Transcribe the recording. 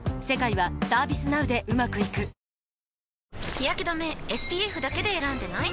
日やけ止めＳＰＦだけで選んでない？